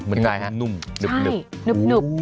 ไม่ง่ายฮะนุ่มนุบโอ๊ยนุบ